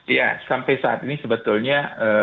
ya sampai saat ini sebetulnya